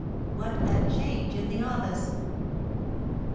"What a change in the office!"